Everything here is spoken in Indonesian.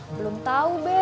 belum tau be